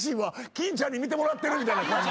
欽ちゃんに見てもらってるみたいな感じ。